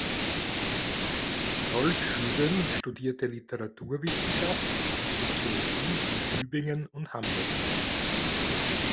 Rolf Schübel studierte Literaturwissenschaft und Soziologie in Tübingen und Hamburg.